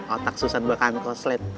otak susah bakalan kloslet